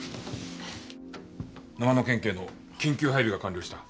長野県警の緊急配備が完了した。